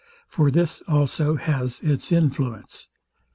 For this also has its influence.